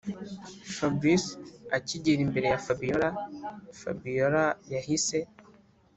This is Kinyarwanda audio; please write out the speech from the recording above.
fabric akigera imbere ya fabiora, fabiora yahise